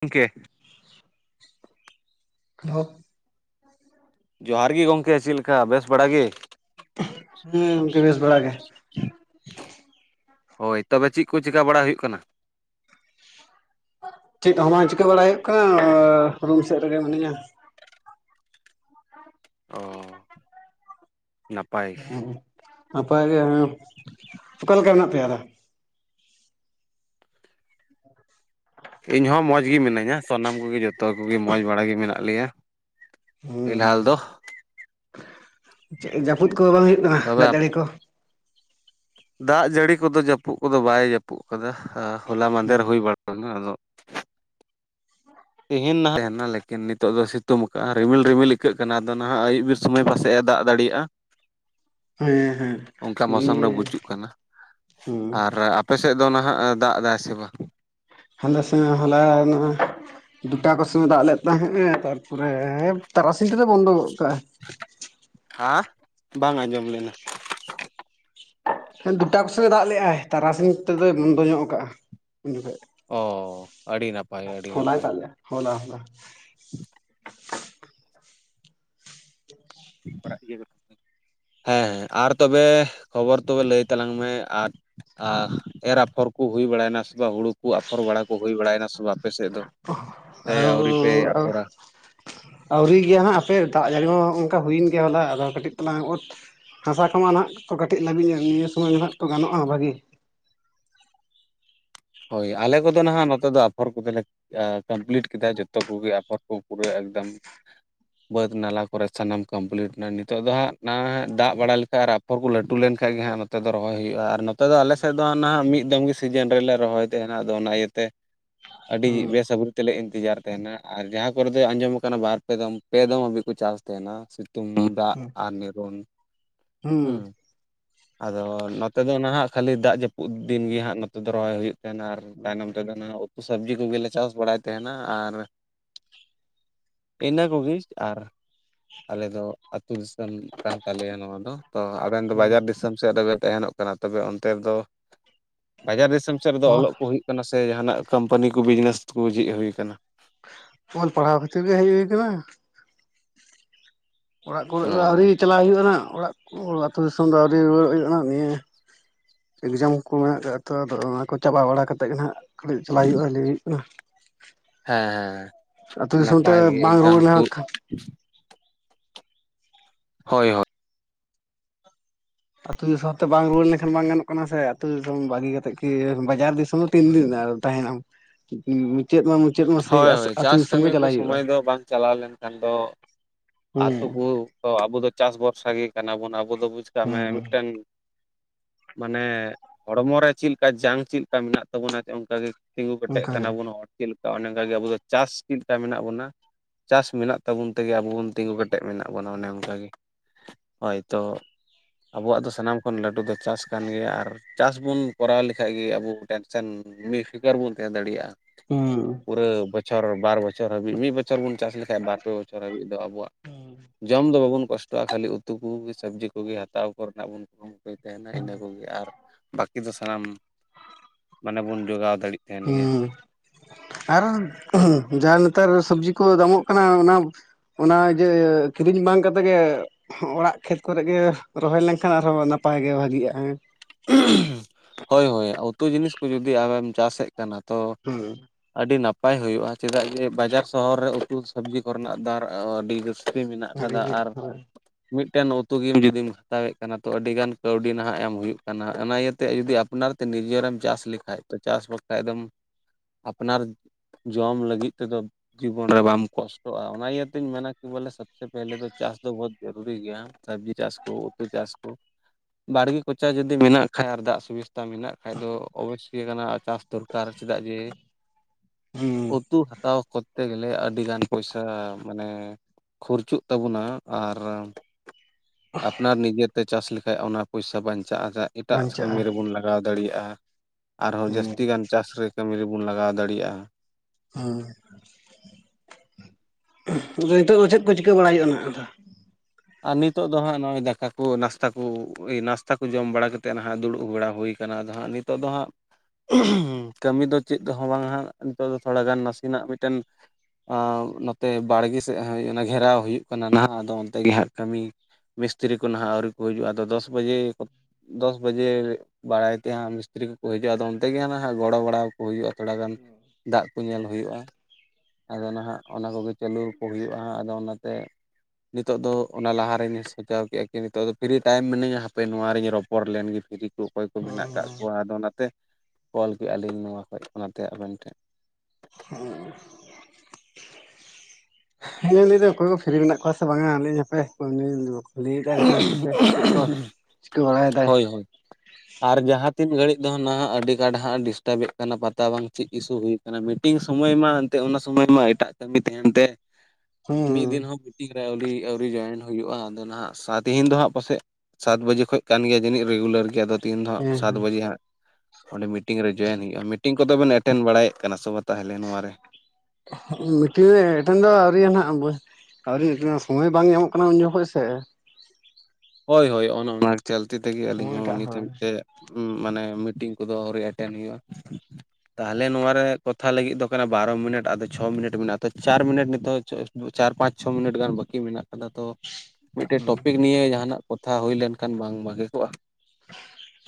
ᱜᱚᱝᱠᱮ᱾ [unintelligible] ᱡᱚᱦᱟᱨ ᱜᱮ ᱜᱚᱢᱠᱮ ᱪᱮᱫ ᱞᱮᱠᱟ ᱵᱮᱥ ᱵᱟᱲᱟ ᱜᱮ? ᱦᱮᱸ ᱜᱚᱝᱠᱮ ᱵᱮᱥ ᱵᱟᱲᱟ ᱜᱮ᱾ ᱦᱳᱭ ᱛᱚᱵᱮ ᱪᱮᱫ ᱠᱚ ᱪᱮᱠᱟ ᱵᱟᱲᱟ ᱦᱩᱭᱩᱜ ᱠᱟᱱᱟ? ᱪᱮᱫ ᱦᱚᱸ ᱵᱟᱝ ᱪᱤᱠᱟᱹ ᱵᱟᱲᱟᱭ ᱦᱳᱭᱳᱜ ᱠᱟᱱᱟ ᱟ ᱨᱩᱢ ᱥᱮᱜ ᱨᱮᱜᱮ ᱢᱤᱱᱟᱹᱧᱟ᱾ ᱚᱻ ᱱᱟᱯ ᱦᱚ ᱱᱟᱯᱟᱭ ᱜᱮ ᱦᱮᱸ, ᱚᱠᱟᱞᱮᱠᱟ ᱦᱮᱱᱟᱜ ᱯᱮᱭᱟ? ᱤᱧ ᱦᱚᱸ ᱢᱚᱸᱡᱽ ᱜᱮ ᱢᱤᱱᱟᱹᱧᱟ ᱥᱟᱱᱟᱢ ᱠᱚᱜᱮ ᱡᱚᱛᱚ ᱠᱚᱜᱮ ᱢᱚᱸᱡᱽ ᱵᱟᱲᱟ ᱜᱮ ᱢᱮᱱᱟᱜ ᱞᱮᱭᱟ᱾ ᱦᱩᱸᱻ, ᱯᱷᱤᱞᱦᱟᱞ ᱫᱚ ᱪᱮᱜ ᱡᱟᱹᱯᱩᱫ ᱠᱚ ᱵᱟᱝ ᱦᱩᱭᱩᱜ ᱠᱟᱱᱟ, ᱫᱟᱜ ᱛᱚᱵᱮ ᱡᱟᱹᱲᱤ ᱠᱚ ᱫᱟᱜ ᱡᱟᱹᱲᱤ ᱠᱚᱫᱚ ᱡᱟᱹᱯᱩᱜ ᱠᱚᱫᱚ ᱵᱟᱭ ᱡᱟᱹᱯᱩᱜ ᱠᱟᱫᱟ ᱦᱚᱞᱟ ᱢᱟᱸᱫᱷᱮᱨ ᱦᱩᱭ ᱵᱟᱲᱟ ᱞᱮᱱᱟ ᱟᱫᱚ ᱛᱤᱦᱤᱱ ᱛᱮᱦᱱᱟ ᱞᱮᱠᱤᱱ ᱱᱤᱛᱚᱜ ᱫᱚ ᱥᱤᱛᱩᱢ ᱠᱟᱜᱼᱟ ᱨᱤᱢᱤᱞ ᱨᱤᱢᱤᱞ ᱟᱹᱭᱠᱟᱹᱜ ᱠᱟᱱᱟ ᱟᱫᱚ ᱱᱟᱦᱟᱜ ᱟᱹᱭᱩᱵ ᱵᱤᱨ ᱥᱚᱢᱚᱭ ᱯᱟᱥᱮᱜ-ᱮ ᱫᱟᱜ ᱫᱟᱲᱮᱭᱟᱜᱼᱟ ᱦᱮᱸ ᱦᱮᱸ ᱚᱝᱠᱟ ᱢᱳᱥᱚᱢ ᱨᱮ ᱤᱭᱟᱹ ᱵᱩᱡᱩᱜ ᱠᱟᱱᱟ ᱟᱨ ᱦᱩᱸ ᱟᱯᱮ ᱥᱮᱫ ᱫᱚ ᱱᱟᱦᱟᱜ ᱫᱟᱜ ᱫᱟᱭ ᱥᱮ ᱵᱟ? ᱦᱟᱞᱮ ᱥᱮᱱ ᱦᱚᱸ ᱦᱚᱞᱟ ᱱᱚᱜᱼᱚᱭ ᱫᱩᱴᱟ ᱠᱚᱥᱮᱱ ᱫᱟᱜ ᱞᱮᱫ ᱛᱟᱦᱮᱸᱜ-ᱮ ᱛᱟᱨᱯᱚᱨᱮ ᱛᱟᱨᱟᱥᱤᱧ ᱛᱮᱫᱚ ᱵᱚᱱᱫᱚ ᱜᱚᱜ ᱠᱟᱜᱼᱟᱭ᱾ ᱦᱟᱸ, ᱵᱟᱝ ᱟᱸᱡᱚᱢ ᱞᱮᱱᱟ ᱫᱩᱴᱟ ᱠᱚᱥᱮᱜ-ᱮ ᱫᱟᱜ ᱞᱮᱜᱼᱟᱭ ᱛᱟᱨᱟᱥᱤᱧ ᱛᱮᱫᱚᱭ ᱵᱚᱱᱫᱚ ᱧᱚᱜ ᱠᱟᱜᱼᱟ ᱩᱱ ᱡᱚᱠᱷᱚᱡ ᱚᱼ ᱟᱹᱰᱤ ᱱᱟᱯᱟᱭ ᱟᱹᱰᱤ ᱦᱚᱞᱟᱭ ᱱᱟᱯᱟᱭ ᱫᱟᱜ ᱞᱮᱜᱼᱟ ᱦᱚᱞᱟ ᱦᱚᱞᱟ [inaudible] [inaudible] [inaudible] ᱦᱮᱸ ᱦᱮᱸ [unintelligible] ᱟᱨ ᱛᱚᱵᱮ ᱠᱷᱚᱵᱚᱨ ᱛᱚᱵᱮ ᱞᱟᱹᱭ ᱛᱟᱞᱟᱝ ᱢᱮ ᱟᱨ ᱟᱦ ᱮᱨ ᱟᱯᱷᱚᱨ ᱠᱚ ᱦᱩᱭ ᱵᱟᱲᱟ ᱭᱮᱱᱟ ᱥᱮ ᱵᱟ ᱦᱩᱲᱩ ᱠᱚ ᱟᱯᱷᱚᱨ ᱵᱟᱲᱟ ᱠᱚ ᱦᱩᱭ ᱵᱟᱲᱟ ᱭᱮᱱᱟ ᱥᱮ ᱵᱟᱸ ᱟᱯᱮ ᱥᱮ ᱫᱚ? ᱥᱮ ᱟᱣ ᱟᱹᱣᱨᱤ ᱯᱮ ᱩᱸᱻ ᱟᱯᱷᱚᱨᱟ [inaudible] ᱟᱹᱣᱨᱤ ᱜᱮᱭᱟ ᱦᱟᱸᱜ ᱦᱟᱯᱮ ᱫᱟᱜ ᱡᱟᱹᱲᱤ ᱢᱟ ᱱᱚᱝᱠᱟ ᱦᱩᱭᱮᱱ ᱜᱮᱭᱟ ᱦᱚᱞᱟ, ᱟᱫᱚ ᱠᱟᱹᱴᱤᱡ ᱛᱟᱞᱟᱝ ᱚᱛ ᱦᱟᱥᱟ ᱠᱚᱢᱟ ᱱᱟᱦᱟᱜ ᱛᱚ ᱠᱟᱹᱴᱤᱡ ᱞᱟᱹᱵᱤᱫ ᱧᱚᱜ [unintelligible] ᱱᱤᱭᱟᱹ ᱥᱚᱢᱚᱭ ᱢᱮᱱᱟᱜ ᱛᱚ ᱜᱟᱱᱚᱜᱼᱟ ᱵᱷᱟᱜᱮ ᱦᱳᱭ ᱟᱞᱮ ᱠᱚᱫᱚ ᱱᱟᱦᱟᱜ ᱱᱚᱛᱮ ᱫᱚ ᱟᱯᱷᱚᱨ ᱠᱮᱫᱟᱞᱮ ᱭᱟ ᱠᱟᱢᱯᱞᱤᱴ ᱠᱮᱫᱟᱭ ᱡᱚᱛᱚ ᱠᱩᱜᱮ ᱟᱯᱷᱚᱨ ᱠᱚ ᱯᱩᱨᱟᱹ ᱮᱠᱫᱚᱢ ᱵᱟᱹᱫᱽ ᱱᱟᱞᱟ ᱠᱚᱨᱮ ᱥᱟᱱᱟᱢ ᱠᱟᱢᱯᱞᱤᱴ ᱮᱱᱟ ᱱᱤᱛᱚᱜ ᱫᱚ ᱦᱟᱸᱜ ᱱᱟᱦᱟᱜ ᱫᱟᱜ ᱵᱟᱲᱟ ᱞᱮᱠᱷᱟᱡ ᱟᱨ ᱟᱯᱷᱚᱨ ᱠᱚ ᱞᱟᱹᱴᱩ ᱞᱮᱱᱠᱷᱟᱡ ᱜᱮ ᱦᱟᱸᱜ᱾ ᱛᱮ ᱫᱚ ᱨᱚᱭ ᱦᱩᱭᱩᱜᱼᱟ ᱟᱨ ᱱᱚᱛᱮ ᱱᱚᱛᱮ [inaudible] ᱫᱚ ᱟᱞᱮ ᱥᱮᱫ ᱫᱚ ᱱᱟᱦᱟᱜ ᱢᱤᱫ ᱫᱚᱢ ᱜᱮ ᱥᱤᱡᱤᱱ ᱨᱮᱞᱮ ᱨᱚᱦᱚᱭ ᱛᱮᱦᱮᱱᱟ ᱟᱫᱚ ᱚᱱᱟ ᱤᱭᱟᱹᱛᱮ ᱟᱹᱰᱤ ᱦᱩᱸ ᱵᱮᱥᱟᱹᱵᱩᱱ [inaudible] ᱛᱮᱞᱮ ᱤᱱᱛᱮᱡᱟᱨ ᱛᱟᱦᱮᱱᱟ ᱟᱨ ᱡᱟᱦᱟᱸ ᱠᱚᱨᱮ ᱫᱚ ᱟᱸᱡᱚᱢ ᱟᱠᱟᱱᱟ ᱵᱟᱨ ᱯᱮ ᱫᱚᱢ, ᱯᱮ ᱫᱚᱢ ᱦᱟᱹᱵᱤᱡ ᱠᱚ ᱪᱟᱥ ᱛᱟᱦᱮᱱᱟ ᱾ ᱛᱩᱢ ᱫᱟᱜ ᱟᱨ ᱱᱤᱨᱚᱱ ᱦᱩᱸᱻ ᱦᱩᱸ ᱟᱫᱚ ᱱᱚᱛᱮ ᱫᱚ ᱱᱟᱦᱟᱜ ᱠᱷᱟᱹᱞᱤ ᱫᱟᱜ ᱡᱟᱹᱯᱩᱫ ᱫᱤᱱ ᱜᱮ ᱦᱟᱸᱜ ᱱᱚᱛᱮ ᱫᱚ ᱨᱚᱦᱚᱭ ᱦᱩᱭᱩᱜ ᱛᱟᱦᱮᱱᱟ ᱟᱨ ᱛᱟᱭᱱᱚᱢ ᱛᱮᱫᱚ ᱱᱟᱦ ᱩᱛᱩ ᱥᱚᱵᱽᱡᱤ ᱠᱚᱜᱮᱞᱮ ᱪᱟᱥ ᱵᱟᱲᱟᱭ ᱛᱟᱦᱮᱱᱟ ᱟᱨ ᱤᱱᱟᱹ ᱠᱩᱜᱤ ᱟᱨ ᱟᱞᱮ ᱫᱚ ᱟᱹᱛᱩ ᱫᱤᱥᱟᱹᱢ ᱠᱟᱱ ᱛᱟᱞᱮᱭᱟ ᱱᱚᱣᱟ ᱫᱚ ᱛᱚ ᱟᱵᱮᱱ ᱫᱚ ᱦᱩᱸ ᱵᱟᱡᱟᱨ ᱫᱤᱥᱚᱢ ᱥᱮᱫ ᱨᱮᱵᱮ ᱛᱟᱦᱮᱱᱚᱜ ᱠᱟᱱᱟ ᱛᱚᱵᱮ ᱚᱱᱛᱮ ᱫᱚ ᱵᱟᱡᱟᱨ ᱫᱤᱥᱚᱢ ᱥᱮᱫ ᱨᱮᱫᱚ ᱚᱞᱚᱜ ᱠᱚ ᱦᱩᱸ ᱦᱩᱭᱩᱜ ᱠᱟᱱᱟ ᱥᱮ ᱡᱟᱦᱟᱱᱟᱜ ᱠᱟᱢᱯᱟᱱᱤ ᱠᱚ ᱵᱤᱡᱽᱱᱮᱥ ᱠᱚ ᱡᱷᱤᱡ ᱦᱩᱭ ᱠᱟᱱᱟ ᱚᱞ ᱯᱟᱲᱦᱟᱣ ᱠᱷᱟᱹᱛᱤᱨ ᱜᱮ ᱦᱮᱡ ᱦᱳᱭ ᱠᱟᱱᱟ᱾ ᱚᱲᱟᱜ ᱠᱚᱨᱮᱜ ᱫᱚ ᱚ ᱟᱹᱣᱨᱤ ᱪᱟᱞᱟᱜ ᱦᱩᱭᱩᱜᱼᱟ ᱱᱟᱜ ᱚᱲᱟᱜ ᱠᱚ ᱟᱹᱛᱩ ᱫᱤᱥᱚᱢ ᱫᱚ ᱟᱹᱣᱨᱤ ᱨᱩᱣᱟᱹᱲ ᱦᱩᱭᱩᱜᱼᱟ ᱱᱟᱜ ᱱᱤᱭᱟᱹ ᱮᱠᱡᱟᱢ ᱠᱚ ᱢᱮᱱᱟᱜ ᱟᱠᱟᱫ ᱛᱚ ᱟᱫᱚ ᱚᱱᱟ ᱠᱚ ᱪᱟᱵᱟ ᱵᱟᱲᱟ ᱠᱟᱛᱮᱫ ᱜᱮ ᱱᱟ ᱦᱟᱜ ᱠᱟᱹᱴᱤᱡ ᱪᱟᱞᱟᱜ ᱦᱩᱭᱩᱜᱼᱟ ᱞᱟᱹᱭ ᱦᱩᱭᱩᱜ ᱠᱟᱱᱟ ᱾ ᱦᱮᱸ ᱦᱮᱸ ᱟᱛᱳ ᱫᱤᱥᱚᱢᱛᱮ ᱱᱟᱯᱟᱭ ᱜᱮ ᱵᱟᱝ ᱮᱠᱡᱟᱢ ᱨᱩᱣᱟᱹᱲ [inaudible] ᱠᱚ [inaudible] ᱦᱳᱭ ᱦᱳ [inaudible] ᱟᱛᱳ ᱫᱤᱥᱚᱢ ᱛᱮ ᱵᱟᱝ ᱨᱩᱣᱟᱹᱲ ᱞᱮᱱᱠᱷᱟᱱ ᱵᱟᱝ ᱜᱟᱱᱚᱜ ᱠᱟᱱᱟ ᱥᱮ ᱟᱹᱛᱩ ᱫᱤᱥᱚᱢ ᱵᱟᱹᱜᱤ ᱠᱟᱛᱮ ᱠᱤ ᱵᱟᱡᱟᱨ ᱫᱤᱥ [inaudible] ᱟᱫᱚ ᱛᱤᱱ ᱫᱤᱱ ᱟᱫᱚ [inaudible] ᱛᱟᱦᱮᱱᱟᱢ ᱢᱩᱪᱟᱹᱫ ᱢᱟ ᱢᱩ [inaudible] ᱦᱳᱭ ᱦᱳᱭ ᱪᱟᱥ ᱠᱟᱹᱢᱤ ᱠᱚ ᱥᱩᱢᱚᱭ ᱫᱚ ᱵᱟᱝ ᱪᱟᱞᱟᱣ ᱞᱮᱱ ᱠᱷᱟᱱ ᱫᱚ, ᱟᱹᱛᱩ ᱦᱚᱲ ᱠᱚ ᱛᱚ ᱟᱵᱚ ᱫᱚ ᱪᱟᱥ ᱵᱚᱨᱥᱟ ᱜᱮ ᱠᱟᱱᱟ ᱵᱚᱱ ᱟᱵᱚ ᱫᱚ ᱵᱩᱡᱽ ᱠᱟᱜ ᱢᱮ ᱦᱮᱸ ᱢᱤᱫᱴᱟᱹᱝ, ᱢᱟᱱᱮ ᱦᱚᱲᱢᱚ ᱨᱮ ᱪᱮᱫ ᱞᱮᱠᱟ ᱡᱟᱝ ᱪᱮᱫ ᱞᱮᱠᱟ ᱢᱮᱱᱟᱜ ᱛᱟᱵᱚᱱᱟ ᱚᱱᱠᱟᱜᱮ ᱛᱤᱸᱜᱩ ᱠᱮᱴᱮᱜ ᱚᱱᱠᱟ ᱠᱟᱱᱟ ᱜᱮ ᱵᱩᱱ ᱦᱚᱲ [inaudible] ᱪᱤᱫ ᱞᱮᱠᱟ ᱚᱱᱮ ᱚᱱᱠᱟᱜᱮ ᱟᱵᱚ ᱫᱚ ᱪᱟᱥ ᱪᱮᱫ ᱞᱮᱠᱟ ᱢᱮᱱᱟᱜ ᱵᱚᱱᱟ ᱪᱟᱥ ᱢᱮᱱᱟᱜ ᱛᱟᱵᱚᱱ ᱛᱮᱜᱮ ᱟᱵᱚ ᱵᱚᱱ ᱛᱤᱸᱜᱩ ᱠᱮᱴᱮᱜ [inaudible] ᱠᱮᱴᱮᱫ [inaudible] ᱢᱮᱱᱟᱜ ᱵᱚᱱᱟ ᱚᱱᱮ ᱚᱱᱠᱟᱜᱮ ᱦᱚᱭᱛᱚ ᱟᱵᱚᱣᱟᱜ ᱫᱚ ᱥᱟᱱᱟᱢ ᱠᱷᱚᱱ ᱞᱟᱹᱴᱩ ᱫᱚ ᱪᱟᱥ ᱠᱟᱱ ᱜᱮᱭᱟ ᱟᱨ ᱪᱟᱥᱵᱩᱱ ᱠᱚᱨᱟᱣ ᱞᱮᱠᱷᱟᱡ ᱜᱮ ᱟᱵᱚ ᱴᱮᱱᱥᱮᱱ ᱢᱤᱫ ᱯᱷᱤᱠᱟᱨ [unintelligible] ᱵᱩᱱ ᱛᱟᱦᱮᱸ ᱫᱟᱲᱮᱭᱟᱜᱼᱟ ᱦᱩᱸ ᱯᱩᱨᱟᱹ ᱵᱚᱪᱷᱚᱨ ᱵᱟᱨ ᱵᱚᱪᱷᱚᱨ ᱦᱟᱹᱵᱤᱡ ᱢᱤᱫ ᱵᱚᱪᱷᱚᱨ ᱵᱚᱱ ᱪᱟᱥ ᱞᱮᱠᱷᱟᱱᱡ ᱵᱟᱨ ᱯᱮ ᱵᱚᱪᱷᱚᱨ ᱦᱟᱹᱵᱤᱡ ᱫᱚ ᱟᱵᱚᱣᱟᱜ ᱡᱚᱢ ᱫᱚ ᱵᱟᱵᱚᱱ ᱠᱚᱥᱴᱚᱜᱼᱟ ᱠᱷᱟᱹᱞᱤ ᱩᱛᱩ ᱠᱚᱮ ᱥᱚᱵᱽᱡᱤ ᱠᱚᱜᱮ ᱦᱟᱛᱟᱣ ᱠᱚᱨᱮᱱᱟᱜ ᱵᱚᱱ ᱠᱚᱢ ᱛᱟᱦᱮᱱᱟ ᱤᱱᱟᱹ ᱠᱚᱜᱮ ᱟᱨ ᱵᱟᱹᱠᱤ ᱫᱚ ᱥᱟᱱᱟᱢ ᱢᱟᱱᱮ ᱵᱚᱱ ᱡᱚᱜᱟᱣ ᱫᱟᱲᱮᱜ ᱛᱟᱦᱮᱱ ᱜᱮᱭᱟ ᱾ ᱟᱨᱦᱚᱸᱡᱟ ᱱᱮᱛᱟᱨ ᱥᱚᱵᱡᱤ ᱠᱚ ᱫᱟᱢᱚᱜ ᱠᱟᱱᱟ ᱚᱱᱟ ᱚᱱᱟ ᱡᱮ ᱠᱤᱨᱤᱧ ᱵᱟᱝ ᱠᱟᱛᱮᱜ ᱜᱮ ᱚᱲᱟᱜ ᱠᱷᱮᱛ ᱠᱚᱨᱮ ᱜᱮ ᱨᱚᱦᱚᱭ ᱞᱮᱱᱠᱷᱟᱱ ᱟᱨᱦᱚᱸ ᱱᱟᱯᱟᱭ ᱜᱮ ᱵᱷᱟᱹᱜᱤᱜᱼᱟ ᱦᱮᱸ ᱾ ᱩᱸᱦᱻᱩᱸᱦᱳᱭ ᱦᱳᱭ ᱩᱛᱩ ᱡᱤᱱᱤᱥ ᱠᱚ ᱡᱩᱫᱤ ᱟᱢᱮᱢ ᱪᱟᱥᱮᱫ ᱠᱟᱱᱟ ᱛᱚ ᱩᱸᱼ ᱟᱹᱰᱤ ᱱᱟᱯᱟᱭ ᱦᱩᱭᱩᱜᱼᱟ ᱪᱮᱫᱟᱜ ᱡᱮ ᱵᱟᱡᱟᱨ ᱥᱚᱦᱚᱨ ᱨᱮ ᱩᱛᱩ ᱥᱚᱵᱡᱤ ᱠᱚᱨᱮᱱᱟᱜ ᱫᱟᱨ ᱟᱹᱰᱤ ᱟᱰᱤ ᱢᱮᱱᱟᱜ ᱟᱠᱟᱫᱟ ᱵᱷᱟᱜᱮ ᱟᱨ ᱢᱤᱫᱴᱮᱱ ᱩᱛᱩ ᱜᱮᱢ ᱡᱩᱫᱤᱢ ᱦᱟᱛᱟᱣᱮᱫ ᱠᱟᱱᱟ ᱛᱚ ᱟᱹᱰᱤᱜᱟᱱ ᱠᱟᱹᱣᱰᱤ ᱱᱟᱜ ᱮᱢ ᱦᱩᱭᱩᱜ ᱠᱟᱱᱟ ᱚᱱᱟ ᱤᱭᱟᱹᱛᱮ ᱡᱩᱫᱤ ᱟᱯᱱᱟᱨ ᱛᱮ ᱱᱤᱡᱮᱨᱮᱢ ᱪᱟᱥ ᱞᱮᱠᱷᱟᱡ ᱪᱟᱥ ᱵᱟᱠᱷᱟᱡ ᱫᱚᱢ ᱟᱯᱱᱟᱨ ᱡᱚᱢ ᱞᱟᱹᱜᱤᱫ ᱛᱮᱫᱚ ᱡᱤᱵᱚᱱ ᱨᱮ ᱵᱟᱢ ᱠᱚᱥᱴᱚᱜᱼᱟ ᱚᱱᱟ ᱤᱭᱟᱹᱛᱮᱧ ᱢᱮᱱᱟ ᱠᱤ ᱵᱚᱞᱮ ᱚᱵ [unintelligible] ᱯᱮᱦᱞᱮ ᱫᱚ ᱪᱟᱥ ᱫᱚ ᱵᱚᱦᱩᱛ ᱡᱩᱨᱩᱨᱤ ᱜᱮᱭᱟ ᱥᱚᱵᱽᱡᱤ ᱪᱟᱥ ᱠᱚ ᱩᱛᱩ ᱪᱟᱥ ᱠᱟᱲᱜᱮ ᱠᱚ ᱪᱟ [unintelligible] ᱡᱩᱫᱤ ᱢᱮᱱᱟᱜ ᱠᱷᱟᱡ ᱟᱨ ᱫᱟᱜ ᱥᱩᱵᱤᱫᱷᱟ ᱢᱮᱱᱟᱜ ᱠᱷᱟ ᱫᱚ ᱚᱵᱚᱥᱥᱚᱭ ᱠᱟᱱᱟ ᱪᱟᱥ ᱫᱚᱨᱠᱟᱨ ᱪᱮᱫᱟᱜ ᱡᱮ ᱦᱩᱸ ᱩᱛᱩ ᱦᱟᱛᱟᱣ ᱠᱚᱨᱛᱮ ᱜᱮᱞᱮ ᱟᱹᱰᱤᱜᱟᱱ ᱯᱚᱭᱥᱟ ᱢᱟᱱᱮ ᱠᱷᱩᱨᱪᱩᱜ ᱛᱟᱵᱚᱱᱟ ᱟᱨ ᱟᱯᱱᱟᱨ ᱱᱤᱡᱮᱛᱮ ᱪᱟᱥ ᱞᱮᱠᱷᱟᱡ ᱚᱱᱟ ᱯᱚᱭᱥᱟ ᱵᱟᱧᱪᱟᱜᱼᱟ ᱮᱴᱟᱜ ᱠᱟᱹᱢᱤ ᱵᱟᱧᱪᱟᱜᱼᱟ ᱨᱮᱵᱚᱱ ᱞᱟᱜᱟᱜᱼᱟ ᱞᱟᱜᱟᱣ ᱫᱟᱲᱮᱭᱟᱜᱼᱟ ᱟᱨᱦᱚᱸ ᱦᱩᱸ ᱡᱟᱹᱥᱛᱤ ᱜᱟᱱ ᱪᱟᱥ ᱨᱮ ᱠᱟᱹᱢᱤ ᱨᱮᱵᱚᱱ ᱞᱟᱜᱟᱣ ᱫᱟᱲᱮᱭᱟᱜᱼᱟ ᱦᱩᱸ ᱟᱫᱚ ᱱᱤᱛᱳᱜ ᱫᱚ ᱪᱮᱫ ᱠᱚ ᱪᱤᱠᱟᱹ ᱵᱟᱲᱟᱭᱼᱟ ᱱᱟᱜ ᱟᱫᱚ ᱟᱨ ᱱᱤᱛᱚᱜ ᱫᱚ ᱦᱟᱸᱜ ᱱᱚᱜᱼᱚᱭ ᱫᱟᱠᱟ ᱠᱚ ᱱᱟᱥᱛᱟ ᱠᱚ ᱱᱟᱥᱛᱟ ᱠᱚ ᱡᱚᱢ ᱵᱟᱲᱟ ᱠᱟᱛᱮᱫ ᱱᱟᱜ ᱫᱩᱲᱩᱵ ᱵᱟᱲᱟ ᱦᱩᱭ ᱟᱠᱟᱱᱟ ᱠᱟᱱᱟ ᱫᱚ ᱦᱟᱸᱜ ᱱᱤᱛᱚᱜ ᱫᱚ ᱦᱟᱸᱜ ᱠᱟᱹᱢᱤ ᱫᱚ ᱪᱮᱫ ᱦᱚᱸ ᱵᱟᱝᱼᱟ ᱱᱤᱛᱚᱜ ᱫᱚ ᱛᱷᱚᱲᱟ ᱜᱟᱱ ᱱᱟᱥᱮᱱᱟᱜ ᱢᱤᱫᱴᱮᱱ ᱱᱚᱛᱮ ᱵᱟᱲᱜᱮ ᱥᱮᱫ ᱚᱱᱟ ᱜᱷᱮᱨᱟᱣ ᱦᱩᱭᱩᱜ ᱠᱟᱱᱟ ᱱᱟᱜ ᱟᱫᱚ ᱚᱱᱛᱮ ᱜᱮ ᱦᱟᱸᱜ ᱠᱟᱹᱢᱤ ᱢᱤᱥᱛᱨᱤ ᱠᱚ ᱱᱟᱜ ᱟᱹᱣᱨᱤ ᱠᱚ ᱦᱤᱡᱩᱜᱼᱟ ᱟᱫᱚ ᱫᱚᱥ ᱵᱟᱡᱮ ᱫᱚᱥ ᱵᱟᱡᱮ ᱵᱟᱲᱟᱭ ᱛᱮ ᱦᱟᱸᱜ ᱢᱤᱥᱛᱨᱤ ᱠᱚᱠᱚ ᱦᱤᱡᱩᱜᱼᱟ ᱟᱫᱚ ᱚᱱᱛᱮ ᱜᱮ ᱱᱟᱜ ᱜᱚᱲᱚ ᱵᱟᱲᱟ ᱠᱚ ᱦᱩᱭᱩᱜᱼᱟ ᱛᱷᱚᱲᱟ ᱜᱟᱱ ᱫᱟᱜ ᱠᱚ ᱧᱮᱞ ᱦᱩᱭᱩᱜᱼᱟ ᱟᱫᱚ ᱱᱟᱜ ᱚᱱᱟ ᱠᱚᱜᱮ ᱪᱟᱹᱞᱩ ᱟᱠᱚ ᱦᱩᱭᱩᱜᱼᱟ ᱦᱟᱸᱜ ᱟᱫᱚ ᱚᱱᱟᱛᱮ ᱱᱤᱛᱚᱜ ᱫᱚ ᱚᱱᱟ ᱞᱟᱦᱟᱨᱮᱤᱧ ᱥᱚᱪᱟᱣ ᱠᱮᱫᱼᱟ ᱠᱤ ᱱᱤᱛᱚᱜ ᱫᱚ ᱯᱷᱤᱨᱤ ᱴᱟᱭᱤᱢ ᱢᱤᱱᱟᱹᱧᱟ ᱦᱟᱯᱮ ᱱᱚᱣᱟ ᱨᱤᱧ ᱨᱚᱯᱚᱲ ᱞᱮᱱᱜᱮ ᱯᱷᱤᱨᱤ ᱚᱠᱚᱭ ᱠᱚ ᱢᱮᱱᱟᱜ ᱠᱟᱫ ᱠᱚᱣᱟ ᱦᱮᱸ ᱟᱫᱚ ᱚᱱᱟᱛᱮ ᱠᱚᱞ ᱠᱮᱫᱼᱟ ᱞᱤᱧ ᱱᱚᱣᱟ ᱠᱷᱚᱱ ᱚᱱᱟᱛᱮ ᱟᱵᱮᱱ ᱴᱷᱮᱱ ᱦᱮᱸ [unintelligible] ᱦᱮᱸ ᱞᱟᱹᱭ ᱮᱫᱟ ᱚᱠᱚᱭ ᱠᱚ ᱯᱷᱤᱨᱤ ᱢᱮᱱᱟᱜ ᱠᱚᱣᱟ ᱥᱮ ᱵᱟᱝ ᱟ ᱟᱯᱮ ᱠᱚ ᱞᱟᱹᱭ ᱮᱫᱟᱭ ᱦᱟᱯᱮᱥᱮ ᱪᱮᱫ ᱠᱚ ᱪᱤᱠᱟᱹ ᱵᱟᱲᱟᱭ ᱮᱫᱟᱭ ᱦᱳᱭ ᱦᱳᱭ ᱟᱨ ᱡᱟᱦᱟᱸ ᱛᱤᱱ ᱜᱷᱟᱹᱲᱤᱡ ᱫᱚ ᱱᱟᱜ ᱟᱹᱰᱤ ᱜᱟᱱ ᱦᱟᱸᱜ ᱰᱤᱥᱴᱟᱵᱮᱫ ᱠᱟᱱᱟ ᱯᱟᱛᱟ ᱵᱟᱱᱩ ᱪᱮᱫ ᱤᱥᱩ ᱦᱩᱭᱩᱠ ᱢᱤᱴᱤᱝ ᱥᱚᱢᱚᱭ ᱢᱟ ᱮᱱᱛᱮᱜ ᱚᱱᱟ ᱥᱚᱢᱚᱭ ᱢᱟ ᱮᱴᱟᱜ ᱠᱟᱹᱢᱤ ᱛᱟᱦᱮᱱ ᱛᱮ ᱢᱤᱫ ᱦᱩᱸ ᱫᱤᱱ ᱦᱚᱸ ᱢᱤᱴᱤᱝ ᱨᱮ ᱟᱹᱣᱨᱤ ᱟᱹᱣᱨᱤ ᱡᱚᱭᱮᱱ ᱦᱩᱭᱩᱜᱼᱟ ᱟᱫᱚ ᱱᱟᱜ ᱥᱟᱫᱷᱤᱱ ᱫᱚ ᱦᱟᱸᱜ ᱯᱟᱥᱮᱡ ᱥᱟᱛ ᱵᱟᱡᱮ ᱠᱷᱚᱡ ᱠᱟᱱ ᱜᱮᱭᱟ ᱡᱟᱹᱱᱤᱡ ᱨᱮᱜᱩᱞᱟᱨ ᱜᱮᱭᱟ ᱟᱫᱚ ᱛᱮᱦᱮᱧ ᱫᱚ ᱦᱮᱸ ᱥᱟᱛ ᱦᱮᱸ ᱵᱟᱡᱮ ᱦᱟᱸᱜ ᱚᱸᱰᱮ ᱢᱤᱴᱤᱝ ᱨᱮ ᱡᱚᱭᱮᱱ ᱦᱩᱭᱩᱜᱼᱟ ᱢᱤᱴᱤᱝ ᱠᱚᱫᱚ ᱵᱮᱱ ᱮᱴᱮᱱᱰ ᱵᱟᱲᱟᱭᱮᱫ ᱠᱟᱱᱟ ᱥᱮ ᱵᱟᱝ ᱛᱟᱦᱚᱞᱮ ᱱᱚᱣᱟ ᱨᱮ ᱢᱤᱴᱤᱱ ᱨᱮ ᱮᱴᱮᱱ ᱫᱚ ᱟᱹᱣᱨᱤ ᱱᱟᱜ [unintelligible] ᱟᱹᱣᱨᱤ ᱮᱴᱮᱱᱟ ᱥᱚᱢᱚᱭ ᱵᱟᱝ ᱧᱟᱢᱚᱜ ᱠᱟᱱᱟ ᱩᱱ ᱡᱚᱠᱷᱚᱱ ᱥᱮ ᱦᱳᱭ ᱦᱳᱭ ᱚᱱᱟ ᱢᱟᱹᱲ ᱪᱚᱞᱛᱤ ᱛᱮᱜᱮ ᱟᱹᱞᱤᱧ ᱦᱚᱸ ᱥᱚᱢᱚᱭᱴᱟᱜ ᱱᱤᱛ ᱦᱳᱭ ᱦᱟᱹᱵᱤᱡ ᱛᱮ ᱦᱩᱸᱢᱟᱱᱮ ᱢᱤᱴᱤᱝ ᱠᱚᱫᱚ ᱟᱹᱣᱨᱤ ᱮᱴᱮᱱ ᱦᱩᱭᱩᱜᱼᱟ ᱛᱟᱦᱚᱞᱮ ᱱᱚᱣᱟ ᱨᱮ ᱠᱚᱛᱷᱟ ᱞᱟᱹᱜᱤᱫ ᱫᱚ ᱠᱟᱱᱟ ᱵᱟᱨᱚ ᱢᱤᱱᱤᱴ ᱟᱫᱚ ᱪᱷᱚ ᱢᱤᱱᱤᱴ ᱢᱮᱱᱟᱜᱼᱟ ᱟᱫᱚ ᱪᱟᱨ ᱢᱤᱱᱤᱴ ᱱᱤᱛᱚᱜ ᱪᱟᱨ ᱯᱟᱸᱪ ᱪᱷᱚ ᱢᱤᱱᱤᱴ ᱜᱟᱱ ᱵᱟᱹᱠᱤ ᱢᱮᱱᱟᱜ ᱟᱫᱚ ᱛᱚ ᱢᱤᱫᱴᱮᱡ ᱴᱚᱯᱤᱠ ᱱᱤᱭᱮ ᱡᱟᱦᱟᱱᱟᱜ ᱠᱚᱛᱷᱟ ᱦᱩᱭ ᱞᱮᱱᱠᱷᱟᱱ ᱵᱟᱝ ᱵᱷᱟᱜᱮ ᱠᱚᱜᱼᱟ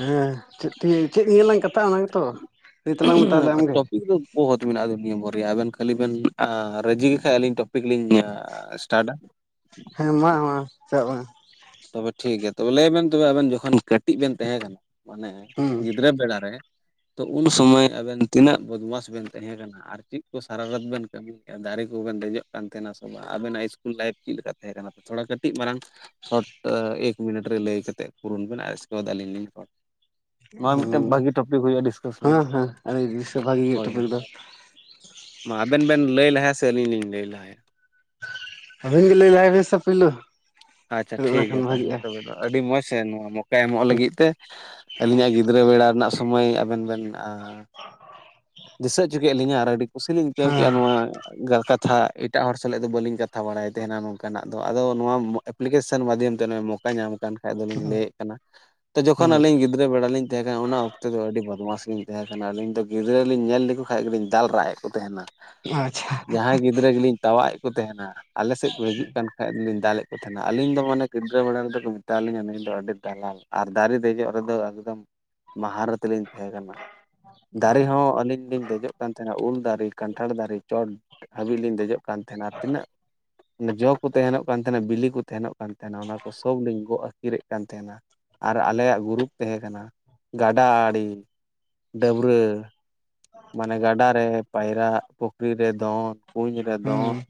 ᱦᱮᱸ ᱪᱮᱫ ᱪᱮᱫ ᱱᱤᱭᱟᱹᱞᱟᱝ ᱠᱟᱛᱷᱼᱟ ᱚᱱᱟ ᱜᱮᱛᱚ ᱞᱟᱹᱭ ᱛᱟᱞᱟᱝ ᱢᱮ ᱛᱟᱦᱚᱞᱮ ᱟᱢᱜᱮ ᱵᱚᱦᱚᱛ ᱢᱮᱱᱟᱜᱼᱟ ᱫᱩᱱᱤᱭᱟᱹ ᱵᱷᱚᱨ ᱨᱮᱭᱟᱜ ᱟᱵᱮᱱ ᱠᱷᱟᱹᱞᱤ ᱵᱮᱱ ᱨᱟᱡᱤ ᱜᱮ ᱠᱷᱟᱱ ᱟᱹᱞᱤᱧ ᱴᱚᱯᱤᱠ ᱞᱤᱧ ᱞᱟᱹᱭᱟ ᱥᱴᱟᱨᱴᱼᱟ ᱦᱮᱸ ᱟᱭᱢᱟ ᱟᱭᱢᱟ ᱪᱟᱜ ᱵᱟᱝ ᱛᱚᱵᱮ ᱴᱷᱤᱠ ᱜᱮᱭᱟ ᱛᱚᱵᱮ ᱞᱟᱹᱭ ᱵᱮᱱ ᱮᱱᱛᱮ ᱟᱵᱮᱱ ᱡᱚᱠᱷᱚᱱ ᱠᱟᱹᱴᱤᱡ ᱵᱮᱱ ᱛᱟᱦᱮᱸ ᱠᱟᱱᱟ ᱢᱟᱱᱮ ᱦᱩᱸ ᱜᱤᱫᱽᱨᱟᱹ ᱵᱮᱲᱟᱨᱮ ᱛᱚ ᱩᱱ ᱥᱚᱢᱚᱭ ᱟᱵᱮᱱ ᱛᱤᱱᱟᱹᱜ ᱵᱚᱫᱢᱟᱥ ᱵᱮᱱ ᱛᱟᱦᱮᱸ ᱠᱟᱱᱟ ᱟᱨ ᱪᱮᱫ ᱠᱚ ᱥᱟᱨᱟᱨᱟᱛ ᱵᱮᱱ ᱠᱟᱹᱢᱤᱮᱫᱼᱟ ᱫᱟᱨᱮ ᱠᱚᱵᱮᱱ ᱫᱮᱡᱚᱜ ᱠᱟᱱ ᱛᱟᱦᱮᱱᱟ ᱥᱮ ᱵᱟᱝ ᱟᱵᱮᱱᱟᱜ ᱤᱥᱠᱩᱞ ᱞᱟᱭᱤᱯᱷ ᱪᱮᱫ ᱞᱮᱠᱟ ᱛᱟᱦᱮᱸ ᱠᱟᱱᱟ ᱛᱷᱚᱲᱟ ᱠᱟᱹᱴᱤᱡ ᱢᱟᱨᱟᱝ ᱥᱚᱴ ᱮᱠ ᱢᱤᱱᱤᱴ ᱨᱮ ᱞᱟᱹᱭ ᱠᱟᱛᱮᱫ ᱯᱩᱨᱩᱱ ᱵᱮᱱ ᱟᱨ ᱤᱥᱠᱮ ᱵᱟᱫ ᱟᱞᱤᱧ ᱞᱤᱧ ᱨᱚᱲ ᱢᱟ ᱢᱤᱫᱴᱮᱱ ᱵᱷᱟᱹᱜᱤ ᱴᱚᱯᱤᱠ ᱦᱩᱭᱩᱜᱼᱟ ᱰᱤᱥᱠᱟᱥ ᱦᱮᱸ ᱦᱮᱸ ᱟᱹᱰᱤ ᱫᱤᱥᱟᱹ ᱞᱟᱹᱜᱤᱫ ᱵᱷᱟᱜᱤ ᱜᱮ ᱦᱚᱭ ᱴᱚᱯᱤᱠ ᱦᱚᱭ ᱫᱚ ᱢᱟ ᱟᱵᱮᱱ ᱵᱮᱱ ᱞᱟᱹᱭ ᱞᱟᱦᱟᱭᱟ ᱥᱮ ᱟᱹᱞᱤᱧ ᱞᱤᱧ ᱞᱟᱹᱭ ᱞᱟᱦᱟᱭᱟ ᱟᱵᱤᱱ ᱜᱮ ᱞᱟᱹᱭ ᱞᱟᱦᱟᱭ ᱵᱤᱱ ᱥᱮ ᱯᱩᱭᱞᱩ ᱟᱪᱪᱷᱟ ᱴᱷᱤᱠ ᱜᱮᱭᱟ ᱛᱟᱦᱚᱞᱮ ᱛᱚᱵᱮ ᱫᱚ ᱟᱹᱰᱤ ᱢᱚᱡᱽ ᱥᱮ ᱱᱚᱣᱟ ᱢᱟ ᱮᱢᱚᱜ ᱞᱟᱹᱜᱤᱫ ᱛᱮ ᱟᱹᱞᱤᱧᱟᱜ ᱜᱤᱫᱽᱨᱟᱹ ᱵᱮᱲᱟ ᱨᱮᱱᱟᱜ ᱥᱚᱢᱚᱭ ᱟᱵᱮᱱ ᱵᱮᱱ ᱟᱸ ᱫᱤᱥᱟᱹ ᱦᱚᱪᱚ ᱠᱮᱫ ᱞᱤᱧᱟᱹ, ᱟᱨ ᱟᱹᱰᱤ ᱠᱩᱥᱤ ᱞᱤᱧ ᱟᱹᱭᱠᱟᱹᱣ ᱠᱮᱫᱼᱟ ᱦᱮᱸ ᱱᱚᱣᱟ ᱠᱟᱛᱷᱟ ᱮᱴᱟᱜ ᱦᱚᱲ ᱥᱟᱞᱟᱜ ᱫᱚ ᱵᱟᱹᱞᱤᱧ ᱠᱟᱛᱷᱟ ᱵᱟᱲᱟᱭ ᱛᱟᱦᱮᱱᱟ ᱱᱚᱝᱠᱟᱱᱟᱜ ᱫᱚ ᱟᱫᱚ ᱱᱚᱣᱟ ᱮᱯᱞᱤᱠᱮᱥᱚᱱ ᱢᱟᱫᱽᱫᱷᱚᱢ ᱛᱮ ᱢᱚᱠᱟ ᱧᱟᱢ ᱠᱟᱱ ᱠᱷᱟᱡ ᱫᱚᱞᱤᱧ ᱞᱟᱹᱭᱮᱫ ᱠᱟᱱᱟ ᱛᱚ ᱡᱚᱠᱷᱚᱱ ᱦᱮᱸ ᱟᱹᱞᱤᱧ ᱜᱤᱫᱽᱨᱟᱹ ᱵᱮᱲᱟ ᱞᱤᱧᱼᱼ ᱛᱟᱦᱮᱸ ᱠᱟᱱᱟ ᱚᱱᱟ ᱚᱠᱛᱮᱚ ᱫᱚ ᱟᱹᱰᱤ ᱵᱚᱫᱢᱟᱥ ᱜᱮᱤᱧ ᱛᱟᱦᱮᱸ ᱠᱟᱱᱟ ᱟᱞᱤᱧ ᱫᱚ ᱜᱤᱫ ᱜᱤᱫᱽᱨᱟᱹ ᱞᱤᱧ ᱧᱮᱞ ᱞᱮᱠᱚ ᱠᱷᱟᱡ ᱜᱮᱞᱤᱧ ᱫᱟᱞ ᱨᱟᱜ ᱮᱫ ᱠᱚ ᱛᱟᱦᱮᱱᱟ ᱟᱪᱪᱷᱟ ᱾ ᱡᱟᱦᱟᱸᱭ ᱜᱤᱫᱽᱨᱟᱹ ᱜᱮᱞᱤᱧ ᱛᱟᱣᱟᱜ ᱮᱫ ᱠᱚ ᱛᱟᱦᱮᱱᱟ ᱟᱞᱮ ᱥᱮᱫ ᱠᱚ ᱦᱤᱡᱩᱜ ᱠᱟᱱ ᱞᱤᱧ ᱫᱟᱞ ᱮᱫ ᱠᱚ ᱛᱟᱦᱮᱱᱟ, ᱟᱹᱞᱤᱧ ᱫᱚ ᱢᱟᱱᱮ ᱜᱤᱫᱽᱨᱟᱹ ᱵᱮᱲᱟ ᱨᱮᱫᱚ ᱠᱚ ᱢᱮᱛᱟᱣᱟᱞᱤᱧᱟᱹ ᱱᱞᱤᱧ ᱫᱚ ᱟᱹᱰᱤ ᱫᱟᱞᱟᱞ ᱾ ᱟᱨ ᱫᱟᱨᱮ ᱫᱮᱡᱚᱜ ᱨᱮᱫᱚ ᱮᱠᱫᱚᱢ ᱢᱟᱦᱟᱨᱚᱛᱷ ᱞᱤᱧ ᱛᱟᱦᱮᱸ ᱠᱟᱱᱟ ᱾ ᱫᱟᱨᱮ ᱦᱚᱸ ᱟᱹᱞᱤᱧ ᱞᱤᱧ ᱫᱮᱡᱚᱜ ᱠᱟᱱ ᱛᱟᱦᱮᱱᱟ ᱩᱞ ᱫᱟᱨᱮ, ᱠᱟᱱᱴᱷᱟᱲ ᱫᱟᱨᱮ ᱾ ᱪᱚᱴ ᱦᱟᱹᱵᱤᱡ ᱞᱤᱧ ᱫᱮᱡᱚᱜ ᱠᱟᱱ ᱛᱟᱦᱮᱱᱟ ᱟᱨ ᱛᱤᱱᱟᱹᱜ ᱡᱚ ᱠᱚ ᱛᱟᱦᱮᱱᱚᱜ ᱠᱟᱱ ᱛᱟᱦᱮᱱᱟ ᱵᱤᱞᱤ ᱠᱚ ᱛᱟᱦᱮᱱᱚᱜ ᱠᱟᱱ ᱛᱟᱦᱮᱱᱟ ᱚᱱᱟᱠᱚ ᱥᱚᱵᱽ ᱞᱤᱧ ᱜᱚᱜ ᱟᱹᱠᱤᱨᱮᱫ ᱠᱟᱱ ᱛᱟᱦᱮᱱᱟ ᱾ ᱟᱨ ᱟᱞᱮᱭᱟᱜ ᱜᱩᱨᱩᱯ ᱛᱟᱦᱮᱸᱠᱟᱱᱟ ᱜᱟᱰᱟ ᱟᱲᱮ ᱰᱟᱹᱵᱽᱨᱟᱹ ᱢᱟᱱᱮ ᱜᱟᱰᱟᱟᱨ ᱨᱮ ᱯᱟᱭᱨᱟᱜ ᱯᱩᱠᱷᱨᱤ ᱨᱮ ᱫᱚᱱ, ᱠᱩᱧ ᱨᱮ ᱫᱚᱱ ᱦᱩᱸ ᱾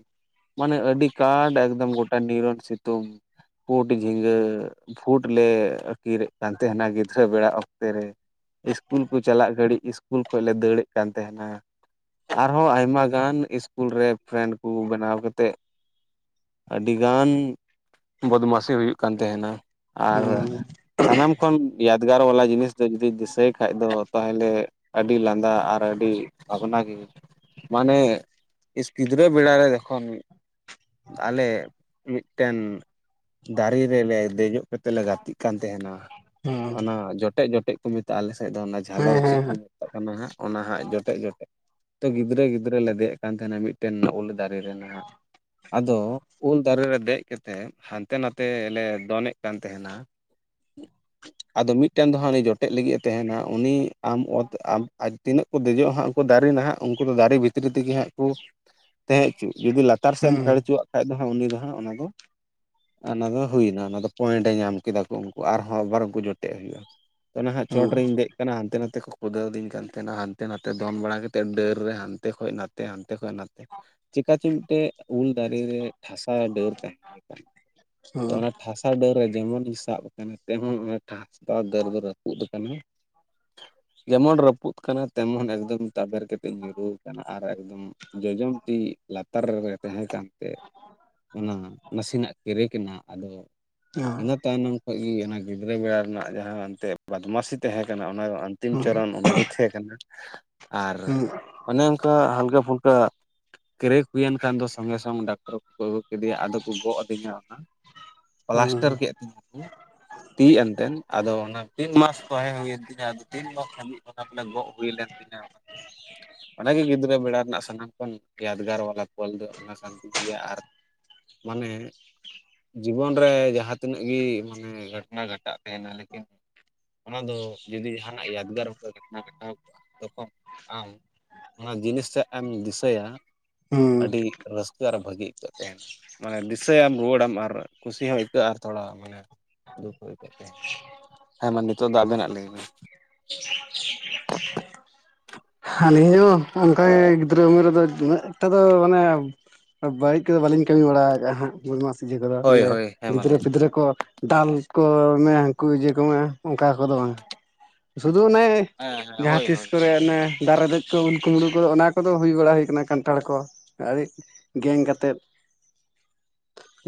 ᱢᱟᱱᱮ ᱟᱹᱰᱤ ᱠᱟᱴ ᱮᱠᱫᱚᱢ ᱜᱚᱴᱟ ᱱᱤᱨᱚᱱ ᱥᱤᱛᱩᱝ ᱾ ᱯᱩᱴ ᱡᱷᱤᱸᱜᱟᱹ ᱯᱷᱩᱴ ᱞᱮ ᱟᱹᱠᱤᱨᱮᱫ ᱠᱟᱱ ᱛᱟᱦᱮᱱᱟ ᱜᱤᱫᱽᱨᱟᱹ ᱵᱮᱲᱟ ᱚᱠᱛᱮ ᱨᱮ ᱤᱥᱠᱩᱞ ᱠᱚ ᱪᱟᱞᱟᱜ ᱜᱷᱟᱹᱲᱤᱡ ᱤᱥᱠᱩᱞ ᱠᱷᱚᱱᱚᱡ ᱞᱮ ᱫᱟᱹᱲᱮᱫ ᱠᱟᱱ ᱛᱟᱦᱮᱱᱟ ᱾ ᱟᱨᱦᱚᱸ ᱟᱭᱢᱟ ᱜᱟᱱ ᱤᱥᱠᱩᱞ ᱨᱮ ᱯᱷᱨᱮᱱᱰ ᱠᱚ ᱵᱮᱱᱟᱣ ᱠᱟᱛᱮᱫ ᱟᱹᱰᱤ ᱜᱟᱱ ᱵᱚᱫᱢᱟᱹᱥᱤ ᱦᱩᱭᱩᱜ ᱠᱟᱱ ᱛᱟᱦᱮᱱᱟ ᱾ ᱦᱩᱸ ᱾ ᱥᱟᱱᱟᱢ ᱠᱷᱚᱱ ᱭᱟᱫᱽᱜᱟᱨ ᱵᱟᱞᱟ ᱡᱤᱱᱤᱥ ᱫᱚ ᱡᱩᱫᱤ ᱫᱤᱥᱟᱹᱭ ᱠᱷᱟᱡ ᱫᱚ ᱛᱟᱦᱚᱞᱮ ᱟᱹᱰᱤ ᱞᱟᱸᱫᱟ ᱟᱨ ᱟᱹᱰᱤ ᱵᱷᱟᱵᱽᱱᱟ ᱜᱮ ᱢᱟᱱᱮ ᱤᱥ ᱜᱤᱫᱽᱨᱟᱹ ᱵᱮᱲᱟ ᱨᱮ ᱡᱚᱠᱷᱚᱱ ᱟᱞᱮ ᱢᱤᱫᱴᱮᱱ ᱫᱟᱨᱮ ᱨᱮᱞᱮ ᱫᱮᱡᱚᱜ ᱠᱟᱛᱮᱫ ᱞᱮ ᱜᱟᱛᱮᱜ ᱠᱟᱱ ᱛᱟᱦᱮᱱᱟ ᱦᱩᱸ ᱚᱱᱟ ᱡᱚᱴᱮᱫ ᱡᱚᱴᱮᱫ ᱠᱚ ᱢᱮᱛᱟᱜ-ᱟ ᱟᱞᱮᱥᱮᱫ ᱫᱚ ᱚᱱᱟ ᱦᱮᱸ ᱡᱷᱟᱞᱚᱨ ᱪᱮᱫ ᱦᱮᱸ ᱠᱚ ᱢᱮᱛᱟᱜ ᱠᱟᱱᱟ ᱦᱟᱸᱜ ᱚᱱᱟ ᱦᱟᱸᱜ ᱡᱚᱴᱮᱫ ᱡᱚᱴᱮᱫ ᱛᱚ ᱜᱤᱫᱽᱨᱟᱹ ᱜᱤᱫᱽᱨᱟᱹᱞ ᱞᱮ ᱫᱮᱡ ᱠᱟᱱ ᱛᱟᱦᱮᱱᱟ ᱢᱤᱫᱴᱮᱱ ᱩᱞ ᱫᱟᱨᱮ ᱨᱮ ᱱᱟᱦᱟᱸᱜ ᱾ ᱟᱫᱚ ᱩᱞ ᱫᱟᱨᱮ ᱨᱮ ᱫᱮᱡ ᱠᱟᱛᱮᱫ ᱦᱟᱱᱛᱮ ᱱᱟᱛᱮ ᱞᱮ ᱫᱚᱱᱮᱫ ᱠᱟᱱ ᱛᱟᱦᱮᱱᱟ ᱦᱟᱸ ᱟᱫᱚ ᱢᱤᱫᱴᱮᱱ ᱫᱚ ᱦᱟᱸᱜ ᱩᱱᱤ ᱡᱚᱴᱮᱫ ᱞᱟᱹᱜᱤᱫᱼ ᱮ ᱛᱟᱦᱮᱱᱟ ᱩᱱᱤ ᱟᱢ ᱚᱛ ᱟᱢ ᱟᱡ ᱛᱤᱱᱟᱹᱜ ᱠᱚ ᱫᱮᱡᱚᱜᱼᱟ ᱦᱟᱸᱜ ᱩᱱᱠᱩ ᱫᱟᱨᱮ ᱱᱟᱦᱟᱸᱜ ᱩᱱᱠᱩ ᱫᱚ ᱫᱟᱨᱮ ᱵᱷᱤᱛᱨᱤ ᱛᱮᱜᱮ ᱦᱟᱸᱜ ᱠᱚ ᱛᱟᱦᱮᱸ ᱦᱚᱪᱚᱜ ᱡᱩᱫᱤ ᱞᱟᱛᱟᱨ ᱥᱮᱫ ᱮᱢ ᱦᱩᱸ ᱯᱷᱮᱰ ᱦᱚᱪᱚᱣᱟᱜ ᱠᱷᱟᱡ ᱫᱚ ᱦᱟᱸᱜ ᱩᱱᱤ ᱫᱚ ᱦᱟᱸᱜ ᱚᱱᱟ ᱫᱚ ᱚᱱᱟ ᱫᱚ ᱦᱩᱭᱱᱟ ᱚᱱᱟ ᱫᱚ ᱯᱚᱭᱮᱱᱴᱮ ᱧᱟᱢ ᱠᱮᱫᱟ ᱠᱚ ᱩᱱᱠᱩ ᱟᱨᱦᱚᱸ ᱟᱵᱟᱨ ᱩᱱᱠᱩ ᱡᱚᱴᱮᱫ ᱦᱩᱭᱩᱜᱼᱟ ᱾ ᱟᱱᱟ ᱦᱟᱸᱜ ᱪᱚᱴ ᱦᱩᱸ ᱦᱩᱸ ᱦᱩᱸ ᱨᱮᱤᱧ ᱫᱮᱡ ᱟᱠᱟᱱᱟ ᱦᱟᱱᱛᱮ ᱱᱟᱛᱮ ᱠᱚ ᱠᱷᱩᱫᱟᱹᱣ ᱫᱤᱧ ᱠᱟᱱ ᱛᱟᱦᱮᱱᱟ ᱦᱟᱱᱛᱮ ᱱᱟᱛᱮ ᱫᱚᱱ ᱵᱟᱲᱟ ᱠᱟᱛᱮᱫ ᱰᱟᱹᱨ ᱨᱮ ᱦᱟᱱᱛᱮ ᱠᱷᱚᱡ ᱱᱟᱛᱮ ᱦᱟᱱᱛᱮ ᱠᱷᱚᱡ ᱱᱟᱛᱮ ᱾ ᱪᱮᱠᱟ ᱪᱚ ᱢᱤᱫᱴᱮᱡ ᱩᱞ ᱫᱟᱨᱮ ᱨᱮ ᱴᱷᱟᱥᱟᱣ ᱰᱟᱹᱨ ᱛᱟᱦᱮᱸ ᱠᱟᱱᱟ ᱛᱚ ᱚᱱᱟ ᱴᱷᱟᱥᱟ ᱴᱷᱟᱥᱟᱣ ᱰᱟᱹᱨ ᱨᱮ ᱡᱮᱢᱚᱱᱤᱧ ᱥᱟᱵ ᱟᱠᱟᱱᱟ ᱛᱮᱢᱚᱱ ᱚᱱᱟ ᱴᱷᱟᱥᱟᱣ ᱫᱟᱹᱨ ᱫᱚ ᱨᱟᱹᱯᱩᱫ ᱟᱠᱟᱱᱟ ᱡᱮᱢᱚᱱ ᱨᱟᱹᱯᱩᱫ ᱠᱟᱱᱟ ᱛᱮᱢᱚᱱ ᱮᱠᱫᱚᱢ ᱛᱟᱵᱮᱨ ᱠᱟᱛᱮ ᱧᱩᱨᱩ ᱟᱠᱟᱱᱟ, ᱟᱨ ᱮᱠᱫᱚᱢ ᱡᱚᱡᱚᱢ ᱛᱤ ᱞᱟᱛᱟᱨ ᱨᱮ ᱛᱟᱦᱮᱸ ᱠᱟᱱ ᱛᱮ ᱚᱱᱟ ᱱᱟᱥᱮᱱᱟᱜ ᱠᱮᱨᱮᱠ ᱱᱟ, ᱟᱫᱚ ᱤᱱᱟᱹ ᱛᱟᱭᱱᱚᱢ ᱠᱷᱚᱡ ᱜᱮ ᱚᱱᱟ ᱜᱤᱫᱽᱨᱟᱹ ᱵᱮᱲᱟ ᱨᱮᱱᱟᱜ ᱡᱟᱦᱟᱸ ᱮᱱᱛᱮ ᱵᱟᱫᱢᱟᱥᱤ ᱛᱟᱦᱮᱸ ᱠᱟᱱᱟ ᱚᱱᱟ ᱟᱱᱛᱤᱢ ᱦᱩᱸ ᱪᱚᱨᱟᱱ ᱚᱱᱟᱜᱮ ᱛᱟᱦᱮᱸ ᱠᱟᱱᱟ ᱟᱨ ᱦᱩᱸ ᱚᱱᱮ ᱚᱱᱠᱟ ᱦᱟᱞᱠᱟ ᱯᱷᱩᱞᱠᱟ ᱠᱨᱮᱠ ᱦᱩᱭᱮᱱ ᱠᱷᱟᱱ ᱫᱚ ᱥᱚᱝᱜᱮ ᱥᱚᱝ ᱰᱟᱠᱛᱚᱨ ᱠᱚᱠᱚ ᱟᱹᱜᱩ ᱠᱮᱫᱮᱭᱟ ᱟᱫᱚ ᱠᱚ ᱜᱚᱜ ᱟᱹᱫᱤᱧᱟ ᱚᱱᱟ, ᱦᱩᱸ ᱯᱞᱟᱥᱴᱟᱨ ᱠᱮᱜ ᱛᱤᱧᱟ ᱠᱚ ᱾ ᱛᱤ ᱮᱱᱛᱮᱱ ᱟᱫᱚ ᱚᱱᱟ ᱛᱤᱱ ᱢᱟᱥ ᱛᱟᱦᱮᱸ ᱦᱩᱭᱮᱱ ᱛᱤᱧᱟ ᱟᱫᱚ ᱛᱤᱱ ᱢᱟᱥ ᱦᱟᱹᱵᱤᱡ ᱟᱱᱟ ᱵᱚᱞᱮ ᱜᱚᱜ ᱦᱩᱭ ᱞᱮᱱ ᱛᱤᱧᱟ ᱾ ᱚᱱᱟᱜᱮ ᱜᱤᱫᱽᱨᱟᱹ ᱵᱮᱲᱟ ᱨᱮᱱᱟᱜ ᱥᱟᱱᱟᱢ ᱠᱷᱚᱱ ᱭᱟᱫᱽᱜᱟᱨ ᱵᱟᱞᱟ ᱯᱷᱚᱞ ᱫᱚ ᱚᱱᱟ ᱠᱟᱱ ᱜᱮ ᱜᱮᱭᱟ ᱟᱨ ᱢᱟᱱᱮ ᱡᱤᱵᱚᱱ ᱨᱮ ᱡᱟᱦᱟᱸ ᱛᱤᱱᱟᱹᱜ ᱜᱮ ᱢᱟᱱᱮ ᱜᱷᱚᱴᱚᱱᱟ ᱜᱷᱚᱴᱟᱜ ᱛᱟᱦᱮᱱᱟ ᱞᱮᱠᱤᱱ ᱚᱱᱟ ᱫᱚ ᱡᱩᱫᱤ ᱡᱟᱦᱟᱱᱟᱜ ᱭᱟᱫᱽᱜᱟᱨ ᱚᱱᱠᱟ ᱜᱷᱚᱴᱚᱱᱟ ᱜᱷᱚᱴᱟᱣ ᱠᱚᱜᱼᱟ ᱛᱚᱠᱷᱚᱱ ᱟᱢ ᱚᱱᱟ ᱡᱤᱱᱤᱥ ᱴᱟᱜ ᱮᱢ ᱫᱤᱥᱟᱹᱭᱟ ᱾ ᱦᱩᱸ ᱟᱹᱰᱤ ᱨᱟᱹᱥᱠᱟᱹ ᱟᱨ ᱵᱷᱟᱹᱜᱤ ᱟᱹᱭᱠᱟᱹᱜ ᱛᱟᱦᱮᱱ ᱢᱟᱱᱮ ᱫᱤᱥᱟᱹᱭᱟᱢ ᱨᱩᱣᱟᱹᱲᱟᱢ ᱟᱨ ᱠᱩᱥᱤ ᱦᱚᱸ ᱟᱹᱭᱠᱟᱹᱜᱼᱟ ᱟᱨ ᱛᱷᱚᱲᱟ ᱢᱟᱱᱮ ᱫᱩᱠ ᱦᱚᱸ ᱟᱹᱭᱠᱟᱹᱜ ᱦᱮᱸ ᱢᱟ ᱱᱤᱛᱚᱜ ᱫᱚ ᱟᱵᱮᱱᱟᱜ ᱞᱟᱹᱭ ᱵᱮᱱ [inaudible] ᱟᱹᱞᱤᱧ ᱦᱚᱸ ᱚᱱᱠᱟᱜᱮ ᱜᱤᱫᱽᱨᱟᱹ ᱩᱢᱮᱨ ᱨᱮᱫᱚ ᱩᱱᱟᱹᱜ ᱮᱠᱴᱟ ᱫᱚ ᱢᱟᱱᱮ ᱵᱟᱹᱲᱤᱡ ᱠᱚᱫᱚ ᱵᱟᱹᱞᱤᱧ ᱠᱟᱹᱢᱤ ᱵᱟᱲᱟ ᱠᱟᱜᱼᱟ ᱦᱟᱸᱜ ᱵᱚᱫᱢᱟᱥ ᱤᱭᱟᱹ ᱠᱚᱫᱚ ᱦᱳᱭ ᱡᱮ ᱦᱳᱭ ᱦᱮᱸ ᱢᱟ ᱜᱤᱫᱽᱨᱟᱹ ᱞᱟᱹᱭ ᱯᱤᱫᱽᱨᱟᱹ ᱠᱚ ᱫᱟᱞ ᱠᱚ ᱢᱮ ᱦᱟᱱᱠᱩ ᱤᱭᱟᱹ ᱠᱚ ᱢᱮ ᱚᱱᱠᱟ ᱠᱚᱫᱚ ᱵᱟᱝ ᱥᱩᱫᱩ ᱚᱱᱮ ᱦᱮᱸ ᱦᱮᱸ ᱡᱟᱦᱟᱸ ᱦᱳᱭ ᱛᱤᱥ ᱦᱳᱭ ᱠᱚᱨᱮ ᱚᱱᱮ ᱫᱟᱨᱮ ᱨᱮ ᱫᱮᱡ ᱠᱚ ᱩᱞ ᱠᱩᱢᱵᱽᱲᱩ ᱠᱚ ᱚᱱᱟ ᱠᱚᱫᱚ ᱦᱩᱭ ᱵᱟᱲᱟ ᱦᱩᱭ ᱠᱟᱱᱟ ᱠᱟᱱᱴᱷᱟᱲ ᱠᱚ ᱟᱹᱰᱤ ᱜᱮᱝ ᱠᱟᱛᱮᱫ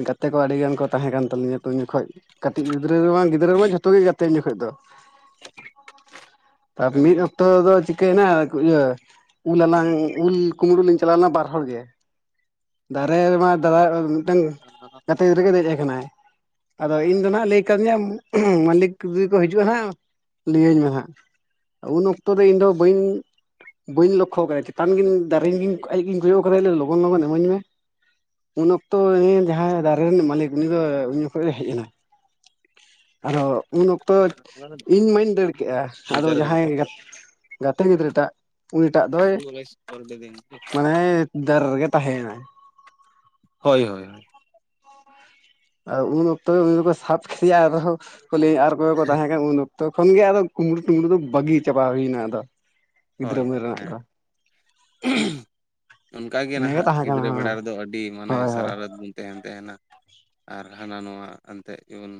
ᱜᱟᱛᱮ ᱠᱚ ᱟᱹᱰᱤ ᱜᱟᱱ ᱠᱚ ᱛᱟᱦᱮᱸ ᱠᱟᱱ ᱛᱟᱞᱤᱧᱟ ᱛᱚ ᱩᱱ ᱡᱚᱠᱷᱚᱡ ᱠᱟᱹᱴᱤᱡ ᱜᱤᱫᱽᱨᱟᱹ ᱨᱮᱢᱟ ᱜᱤᱫᱽᱨᱟᱹ ᱨᱮᱢᱟ ᱡᱷᱚᱛᱚ ᱜᱮ ᱜᱟᱛᱮ ᱩᱱ ᱡᱚᱠᱷᱚᱡ ᱫᱚ ᱛᱟ ᱢᱤᱫ ᱠᱟᱹᱢᱤᱭᱟᱢ ᱚᱠᱛᱚ ᱫᱚ ᱪᱤᱠᱟᱹᱭᱱᱟ ᱤᱭᱟᱹ ᱫᱩ ᱩᱞᱦᱟᱞᱟᱝ ᱩᱞ ᱠᱩᱢᱲᱩ ᱞᱤᱝ ᱪᱟᱞᱟᱣ ᱞᱮᱱᱟ ᱵᱟᱨ ᱦᱚᱲ ᱜᱮ ᱫᱟᱨᱮ ᱨᱮᱢᱟ ᱫᱟᱫᱟᱭ ᱢᱤᱫᱴᱟᱝ ᱜᱟᱛᱮ ᱜᱤᱫᱽᱨᱟᱹ ᱜᱮ ᱫᱮᱡ ᱠᱟᱱᱟᱭ ᱟᱫᱚ ᱤᱧ ᱫᱚ ᱱᱟᱸᱜ ᱞᱟᱹᱭ ᱠᱟᱫᱤᱧᱟ ᱢᱟᱹᱞᱤᱠ ᱡᱩᱫᱤ ᱠᱚ ᱦᱤᱡᱩᱜᱼᱟ ᱦᱟᱸᱜ ᱞᱟᱹᱭᱟᱹᱧ ᱢᱮ ᱦᱟᱸᱜ ᱩᱱ ᱚᱠᱛᱚ ᱫᱚ ᱤᱧ ᱫᱚ ᱵᱟᱹᱧ ᱵᱟᱹᱧ ᱞᱚᱠᱠᱷᱚ ᱠᱟᱫᱟ ᱪᱮᱛᱟᱱ ᱜᱤᱧ ᱫᱟᱨᱮᱜᱤᱧ ᱟᱡ ᱜᱤᱧ ᱠᱚᱭᱚᱜ ᱠᱟᱫᱟ ᱞᱚᱜᱚᱱ ᱞᱚᱜᱚᱱ ᱤᱢᱟᱹᱧ ᱢᱮ ᱩᱱ ᱚᱠᱛᱚ ᱡᱟᱦᱟᱸᱭ ᱫᱟᱨᱮ ᱨᱤᱱᱤᱡ ᱢᱟᱞᱤᱠ ᱩᱱ ᱫᱚᱭ ᱩᱱ ᱡᱚᱠᱷᱚᱡ ᱮ ᱦᱮᱡ ᱱᱟᱭ ᱟᱫᱚ ᱩᱱ ᱚᱠᱛᱚ ᱤᱧ ᱢᱟᱹᱧ ᱫᱟᱹᱲ ᱠᱮᱜᱼᱟ ᱟᱫᱚ ᱪᱟᱨ ᱜᱷᱚᱱᱴᱟ ᱡᱟᱦᱟᱸᱭ ᱜᱟ ᱜᱟᱛᱮ ᱜᱤᱫᱽᱨᱟᱹ ᱴᱟᱜ ᱩᱱᱤ ᱴᱟᱜ ᱫᱚᱭ ᱢᱟᱱᱮ [unintelligible] ᱫᱟᱨᱮ ᱨᱮᱜᱮ ᱛᱟᱦᱮᱸᱭᱱᱟᱭ ᱦᱳᱭ ᱦᱳᱭ ᱟᱨ ᱩᱱ ᱚᱠᱛᱚ ᱜᱮ ᱩᱱᱤ ᱫᱚᱠᱚ ᱥᱟᱵ ᱠᱮᱫᱮᱭᱟ ᱟᱨᱚᱸ ᱞᱟᱹᱭᱮ-ᱟ ᱟᱨ ᱚᱠᱚᱭ ᱠᱚ ᱠᱚ ᱛᱟᱦᱮᱸ ᱠᱟᱱᱟ ᱩᱱ ᱚᱠᱛᱚ ᱛᱚᱠᱷᱚᱱ ᱜᱮ ᱟᱫᱚ ᱠᱩᱢᱵᱽᱲᱩ ᱴᱩᱸᱢᱲᱩ ᱫᱚ ᱵᱟᱹᱜᱤ ᱪᱟᱵᱟ ᱦᱩᱭᱱᱟ ᱟᱫᱚ ᱜᱤᱫᱽᱨᱟᱹ ᱩᱢᱟᱮᱨ ᱨᱮᱱᱟᱜ ᱫᱚ ᱚᱱᱠᱟ ᱜᱮ ᱤᱱᱟᱹᱜᱮ ᱱᱟᱦᱟᱜ ᱛᱟᱦᱮᱸ ᱠᱟᱱᱟ ᱜᱤᱫᱽᱨᱟᱹ ᱵᱮᱲᱟ ᱨᱮᱫᱚ ᱟᱹᱰᱤ ᱢᱟᱱᱮ ᱦᱳᱭ ᱦᱳᱭ ᱥᱟᱨᱷᱟᱨᱟᱛ ᱵᱤᱱ ᱛᱟᱦᱮᱱ ᱛᱟᱦᱮᱱᱟ ᱟᱨ ᱦᱟᱱᱟ ᱱᱚᱣᱟ ᱮᱱᱛᱮ ᱡᱮᱢᱚᱱ